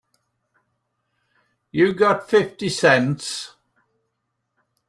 You got fifty cents?